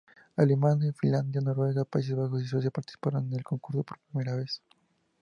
Alemania, Finlandia, Noruega, Países Bajos y Suecia participaron en el concurso por primera vez.